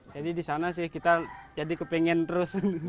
jadi disana sih kita jadi kepengen terus